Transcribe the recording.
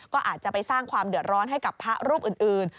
ก็อาจจะไปสร้างความเดือดร้อนให้กับพระรูปอื่น